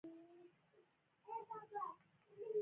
دوی هلته هم خپل کلتور او پښتو ژبه ساتلې وه